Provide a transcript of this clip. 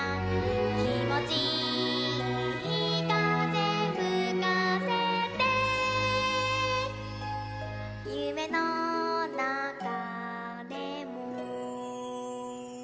「きもちいいかぜふかせてゆめのなかでも」